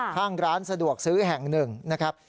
ทางร้านสะดวกซื้อแห่ง๑นะครับ